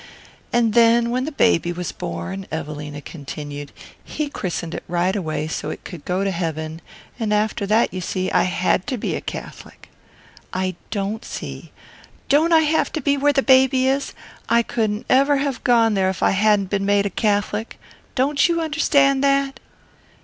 "And then when the baby was born," Evelina continued, "he christened it right away, so it could go to heaven; and after that, you see, I had to be a Catholic." "I don't see " "Don't I have to be where the baby is? I couldn't ever ha' gone there if I hadn't been made a Catholic. Don't you understand that?"